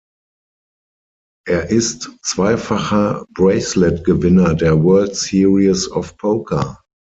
Er ist zweifacher Braceletgewinner der "World Series of Poker".